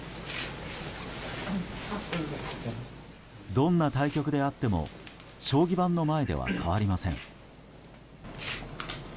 どんな対局であっても将棋盤の前では変わりません。